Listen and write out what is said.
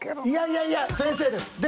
いやいやいや先生です。